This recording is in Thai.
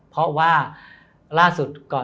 เพราะว่าร่าดสุด